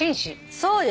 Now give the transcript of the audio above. そうです。